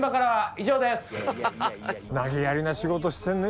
投げやりな仕事してんね